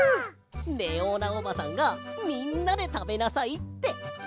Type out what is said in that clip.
レオーナおばさんがみんなでたべなさいって。